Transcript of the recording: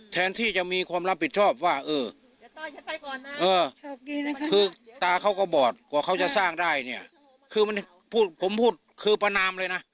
แทนที่จะมีความรับผิดชอบว่าเออคือตาเขาก็บอดกว่าเขาจะสร้างได้เนี่ยคือมันพูดผมพูดคือประนามเลยนะ